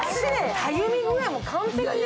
たるみ具合も完璧よ。